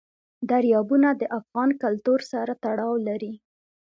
دریابونه د افغان کلتور سره تړاو لري.